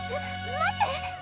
待って！